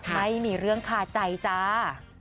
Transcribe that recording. ไม่มีเรื่องคาใจจ้า